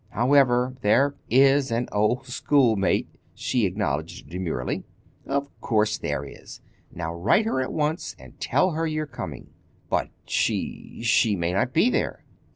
However, there is an old schoolmate," she acknowledged demurely. "Of course there is! Now, write her at once, and tell her you're coming." "But she—she may not be there."